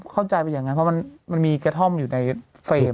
เข้าใจไปอย่างนั้นเพราะมันมีกระท่อมอยู่ในเฟรม